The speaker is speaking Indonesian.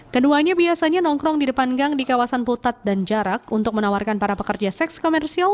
keduanya biasanya nongkrong di depan gang di kawasan putat dan jarak untuk menawarkan para pekerja seks komersial